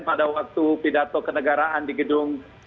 pada waktu pidato kenegaraan di gedung